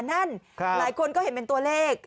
นั่นหลายคนก็เห็นเป็นตัวเลข